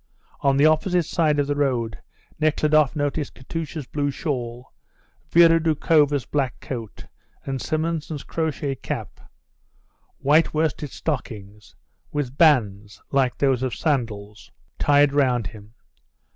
On the opposite side of the road Nekhludoff noticed Katusha's blue shawl, Vera Doukhova's black coat, and Simonson's crochet cap, white worsted stockings, with bands, like those of sandals, tied round him.